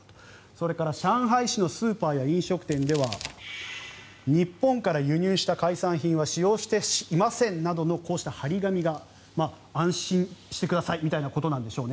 それから上海市のスーパーや飲食店では日本から輸入した海産品は使用していませんなどのこうした貼り紙が安心してくださいみたいなことなんでしょう。